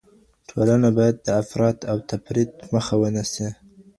ټولنه باید د افراط او تفریط مخه ونیسي.